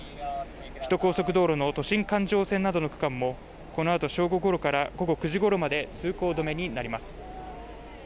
首都高速道路の都心環状線などの区間もこのあと正午ごろから午後９時ごろまで通行止めになります